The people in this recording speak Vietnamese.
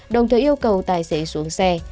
đồng thời yêu cầu tài xế xuống xe